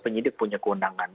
penyidik punya kewenangan